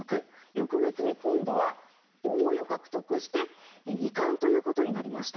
翌月に今度は王位を獲得して二冠ということになりました。